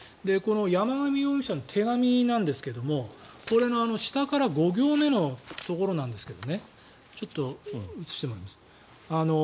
山上容疑者の手紙なんですがこれの下から５行目のところなんですがちょっと映してもらえます？